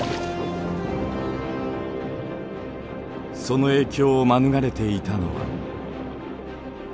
その影響を免れていたのは。